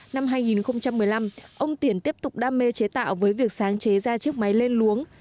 năm hai nghìn một mươi năm ông tiển tiếp tục đam mê chế tạo với việc sáng chế ra chiếc máy lên luống